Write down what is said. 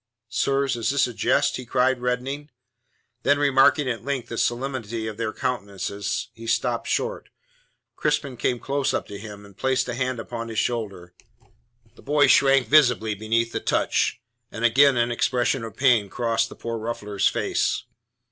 "Sirs, is this a jest?" he cried, reddening. Then, remarking at length the solemnity of their countenances, he stopped short. Crispin came close up to him, and placed a hand upon his shoulder. The boy shrank visibly beneath the touch, and again an expression of pain crossed the poor ruffler's face.